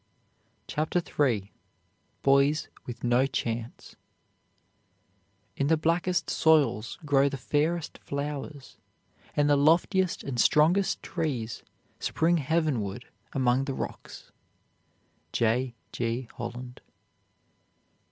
CHAPTER III BOYS WITH NO CHANCE In the blackest soils grow the fairest flowers, and the loftiest and strongest trees spring heavenward among the rocks. J. G. HOLLAND.